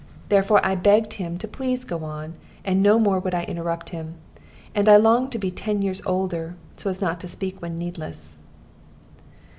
Therefore I begged him to please to go on, and no more would I interrupt him. And I longed to be ten years older, so as not to speak when needless.